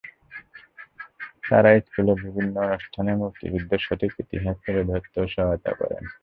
তাঁরা স্কুলের বিভিন্ন অনুষ্ঠানে মুক্তিযুদ্ধের সঠিক ইতিহাস তুলে ধরতেও সহায়তা করেন।